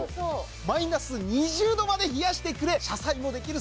マイナス２０℃まで冷やしてくれ車載もできる